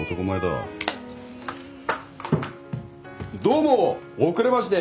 どうも遅れまして。